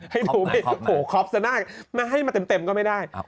โฮค็อปสันานะมาให้มาเต็มก็ไม่ได้